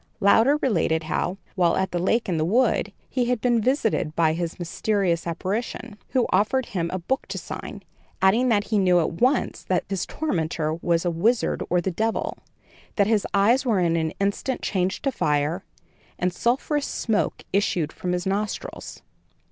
Louder related how, while at the lake in the wood, he had been visited by this mysterious apparition, who offered him a book to sign, adding that he knew at once that his tormentor was a wizard or the Devil, that his eyes were in an instant changed to fire, and sulphurous smoke issued from his nostrils.